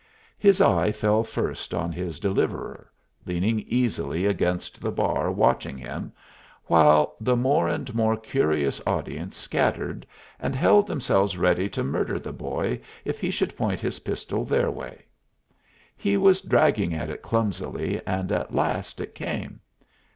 His eye fell first on his deliverer, leaning easily against the bar watching him, while the more and more curious audience scattered, and held themselves ready to murder the boy if he should point his pistol their way. He was dragging at it clumsily, and at last it came.